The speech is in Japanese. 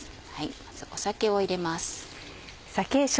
まず酒を入れます。